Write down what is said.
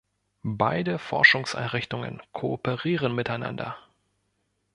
Beide Forschungseinrichtungen kooperieren miteinander.